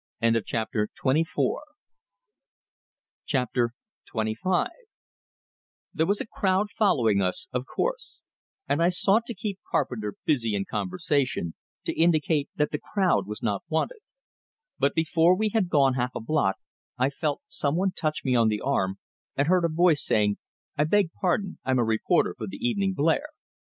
XXV There was a crowd following us, of course; and I sought to keep Carpenter busy in conversation, to indicate that the crowd was not wanted. But before we had gone half a block I felt some one touch me on the arm, and heard a voice, saying, "I beg pardon, I'm a reporter for the 'Evening Blare'."